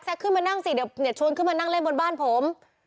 ขึ้นมานั่งสิเดี๋ยวชวนขึ้นมานั่งเล่นบนบ้านผม